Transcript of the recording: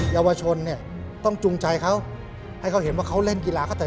ยาวชนต้องจูงใจเขา